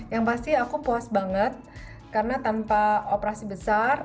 yang pasti aku puas banget karena tanpa operasi besar